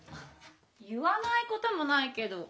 言わないこともないけど。